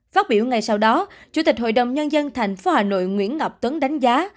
phát biểu ngay sau đó chủ tịch hội đồng nhân dân tp hà nội nguyễn ngọc tuấn đánh giá